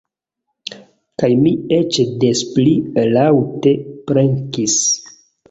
Kaj mi eĉ des pli laŭte blekis.